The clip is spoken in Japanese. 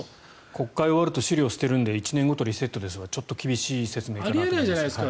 国会を終わると資料を捨てるので１年ごとにリセットですはちょっと厳しい説明かなと思いますが。